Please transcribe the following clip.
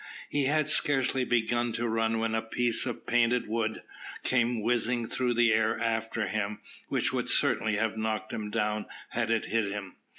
He had scarcely begun to run when a piece of painted wood came whizzing through the air after him, which would certainly have knocked him down had it hit him.